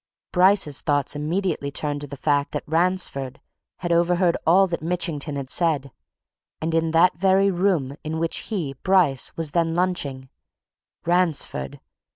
Bryce's thoughts immediately turned to the fact that Ransford had overheard all that Mitchington had said, in that very room in which he, Bryce, was then lunching Ransford!